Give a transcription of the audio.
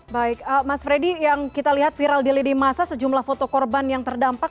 baik mas freddy yang kita lihat viral di lidi masa sejumlah foto korban yang terdampak